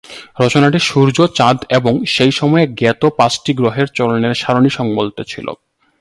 রচনাটি সূর্য, চাঁদ এবং সেই সময়ে জ্ঞাত পাঁচটি গ্রহের চলনের সারণী সংবলিত ছিল।